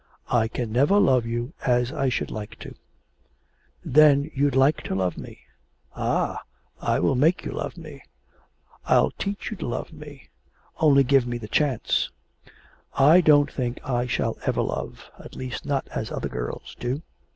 I can never love you as I should like to.' 'Then you'd like to love me. Ah, I will make you love me.. I'll teach you to love me! Only give me the chance.' 'I don't think I shall ever love at least, not as other girls do.'